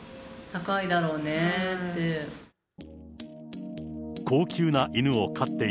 高いだろうねって。